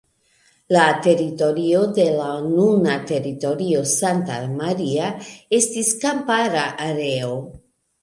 La teritorio de la nuna teritorio Santa Maria estis kampara areo.